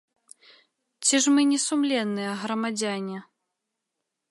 Ці ж мы не сумленныя грамадзяне?